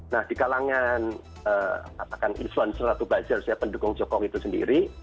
nah di kalangan katakan iswan seratu bajar pendukung jokowi itu sendiri